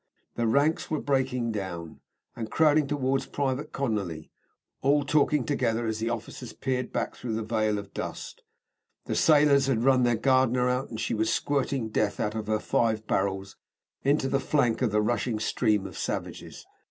The ranks were breaking, and crowding towards Private Conolly, all talking together as the officers peered back through the veil of dust. The sailors had run their Gardner out, and she was squirting death out of her five barrels into the flank of the rushing stream of savages.